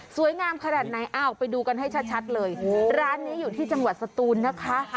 ขนาดไหนอ้าวไปดูกันให้ชัดเลยร้านนี้อยู่ที่จังหวัดสตูนนะคะ